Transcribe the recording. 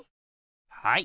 はい。